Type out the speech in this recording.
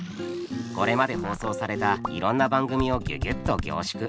これまで放送されたいろんな番組をギュギュッと凝縮。